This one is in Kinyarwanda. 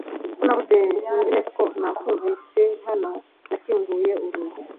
ko nabuze nzi neza ko nakwumvise - hano nakinguye urugi